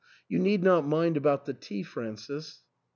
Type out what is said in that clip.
You need not mind about the tea, Francis."